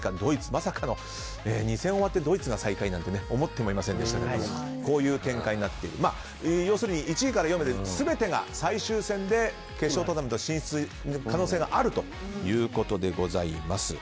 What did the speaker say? まさかの２戦終わってドイツが最下位なんて思ってもいませんでしたがつまり１位から４位まで最終戦で決勝トーナメント進出の可能性があるということでございます。